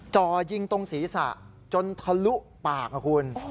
จ่อยิงตรงศีรษะจนทะลุปากนะคุณ